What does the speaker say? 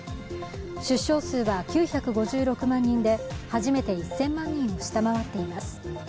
出生数は９５６万人で、初めて１０００万人を下回っています。